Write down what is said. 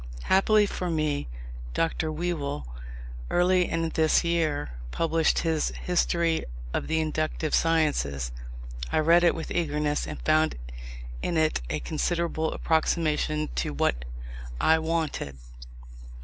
Happily for me, Dr. Whewell, early in this year, published his History of the Inductive Sciences. I read it with eagerness, and found in it a considerable approximation to what I wanted.